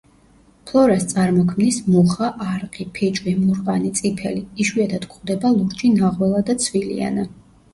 ფლორას წარმოქმნის: მუხა, არყი, ფიჭვი, მურყანი, წიფელი; იშვიათად გვხვდება ლურჯი ნაღველა და ცვილიანა.